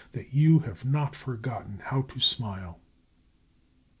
That you have not forgotten how to smile.